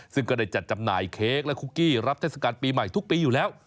ซึ่งก็ได้จัดจำหน่ายเค้กและคุกกี้รับเทศกาลปีใหม่ทุกปีอยู่แล้ว